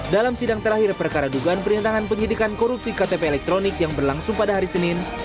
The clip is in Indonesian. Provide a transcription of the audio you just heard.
dalam sidang terakhir perkara dugaan perintangan penyidikan korupsi ktp elektronik yang berlangsung pada hari senin